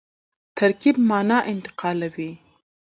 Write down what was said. ترکیب مانا انتقالوي.